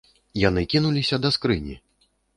Яны кінуліся да скрыні.